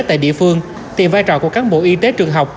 tại địa phương thì vai trò của cán bộ y tế trường học